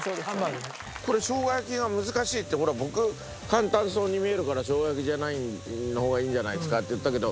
これしょうが焼きが難しいって僕簡単そうに見えるからしょうが焼きじゃないのがいいんじゃないですかって言ったけど。